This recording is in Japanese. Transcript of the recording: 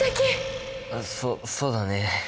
そそうだね。